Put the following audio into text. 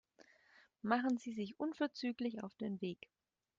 Machen Sie sich unverzüglich auf den Weg.